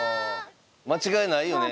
間違いないよね！